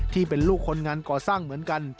ที่เป็นลูกคนงานก่อสร้างเหมือนกัน